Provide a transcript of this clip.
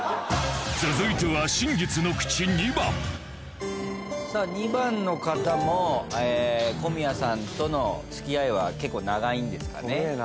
続いてはさあ２番の方も小宮さんとの付き合いは結構長いんですかね？